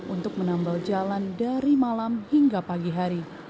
untuk menambal jalan dari malam hingga pagi hari